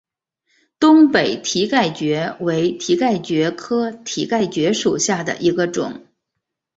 东北蹄盖蕨为蹄盖蕨科蹄盖蕨属下的一个种。